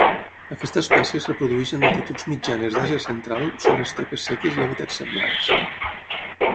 Aquesta espècie es reprodueix en latituds mitjanes d'Àsia Central, sobre estepes seques i hàbitats semblants.